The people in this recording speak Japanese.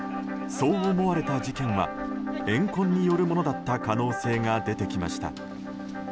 そう思われた事件は怨恨によるものだった可能性が出てきました。